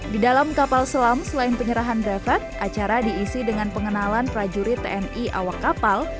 di dalam kapal selam selain penyerahan brevet acara diisi dengan pengenalan prajurit tni awak kapal